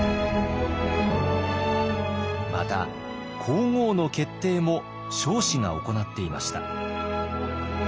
また皇后の決定も彰子が行っていました。